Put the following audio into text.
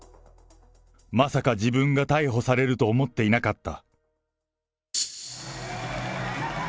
まさか自分が逮捕されると思っていなかった。